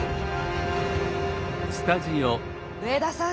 上田さん